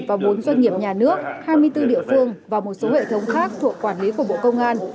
và bốn doanh nghiệp nhà nước hai mươi bốn địa phương và một số hệ thống khác thuộc quản lý của bộ công an